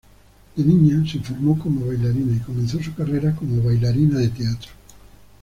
De niña se formó como bailarina y comenzó su carrera como bailarina de teatro.